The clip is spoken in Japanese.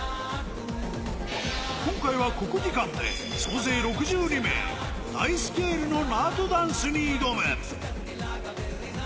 今回は国技館で総勢６２名、大スケールのナートゥダンスに挑む。